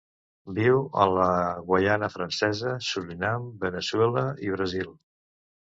Viu a la Guaiana Francesa, Surinam, Veneçuela i Brasil.